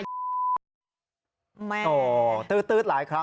โจทย์กับกว้าย